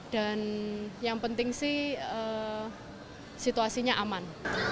dan yang penting sih situasinya aman